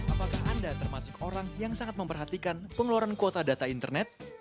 apakah anda termasuk orang yang sangat memperhatikan pengeluaran kuota data internet